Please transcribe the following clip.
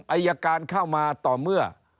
อายการเข้ามาต่อเมื่อ